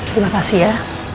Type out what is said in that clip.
terima kasih ya